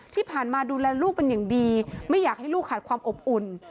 ที่ผ่านมาดูแลลูกเป็นอย่างดีไม่อยากให้ลูกขาดความอบอุ่น